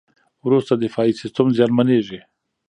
وروسته دفاعي سیستم زیانمنېږي.